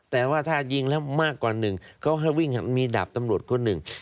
แต่ว่าถ้ายิงแล้วมากกว่าหนึ่งเขาให้วิ่งมีดาบตำรวจคนหนึ่ง